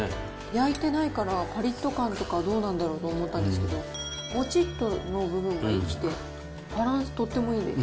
焼いてないから、ぱりっと感とかどうなんだろうと思ったんですけど、もちっとの部分が生きて、バランス、とってもいいです。